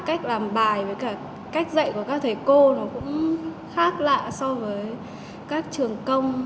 cách làm bài với cả cách dạy của các thầy cô nó cũng khác lạ so với các trường công